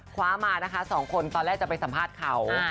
คว้ามานะคะ๒คนตอนแรกจะไปสัมภาษณ์เขา